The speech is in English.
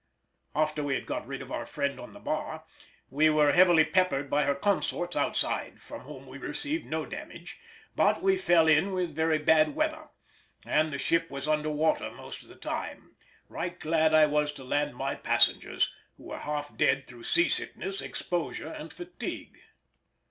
After we had got rid of our friend on the bar, we were heavily peppered by her consorts outside, from whom we received no damage, but we fell in with very bad weather, and the ship was under water most of the time. Right glad I was to land my passengers, who were half dead through sea sickness, exposure, and fatigue.